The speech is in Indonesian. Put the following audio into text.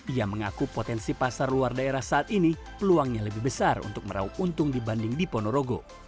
ia mengaku potensi pasar luar daerah saat ini peluangnya lebih besar untuk merauh untung dibanding di ponorogo